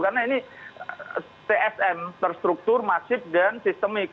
karena ini tsm terstruktur masif dan sistemik